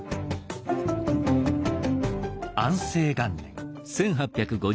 安政元年。